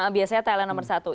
biasanya thailand nomor satu